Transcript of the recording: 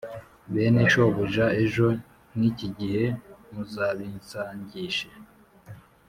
bene shobuja ejo nk iki gihe muzabinsangishe